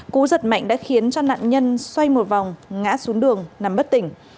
cú giật mạnh đã khiến cho nạn nhân xoay một vòng ngã xuống đường nằm bất tỉnh